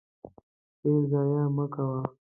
تیل ضایع مه کوه.